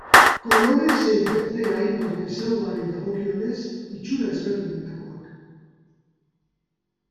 Kolore zein beste hainbat ezaugarri dagokienez itxura ezberdinetakoak.